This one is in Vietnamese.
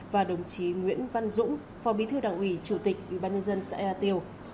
và đồng chí nguyễn văn dũng phòng bí thư đảng ủy chủ tịch ubnd xã e tiêu